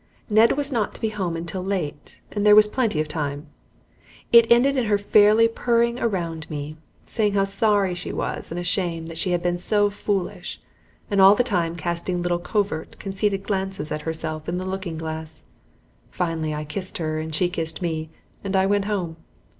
Ned was not to be home until late, and there was plenty of time. It ended in her fairly purring around me, and saying how sorry she was, and ashamed, that she had been so foolish, and all the time casting little covert, conceited glances at herself in the looking glass. Finally I kissed her and she kissed me, and I went home.